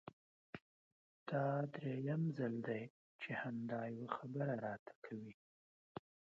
دا درېيم ځل دی چې همدا يوه خبره راته کوې!